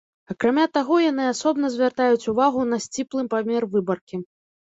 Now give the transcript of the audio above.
Акрамя таго, яны асобна звяртаюць увагу на сціплы памер выбаркі.